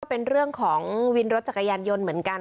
เป็นเรื่องของวินรถจักรยานยนต์เหมือนกัน